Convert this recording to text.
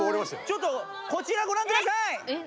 ちょっとこちらごらんください！